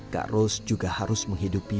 kak ros juga harus menghidupi